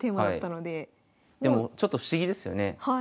でもちょっと不思議ですよね。